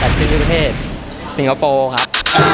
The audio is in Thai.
อัศวินิเทศสิงคโปร์ครับ